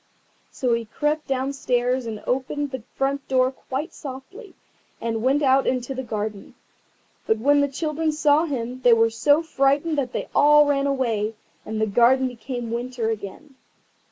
So he crept downstairs and opened the front door quite softly, and went out into the garden. But when the children saw him they were so frightened that they all ran away, and the garden became winter again.